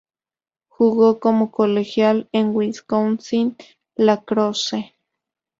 Jugo como colegial en Wisconsin–La Crosse.